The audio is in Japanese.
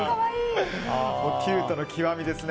キュートの極みですね。